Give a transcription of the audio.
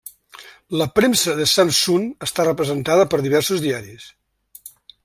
La premsa de Samsun està representada per diversos diaris.